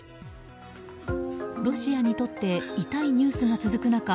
ロシアにとって痛いニュースが続く中